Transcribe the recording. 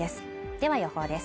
では予報です。